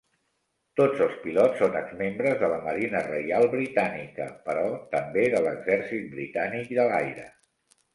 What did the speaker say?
Tots els pilots són exmembres de la marina reial britànica, però també de l'exèrcit britànic de l'aire.